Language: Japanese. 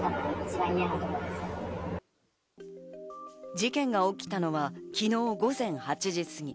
事件が起きたのは昨日午前８時過ぎ。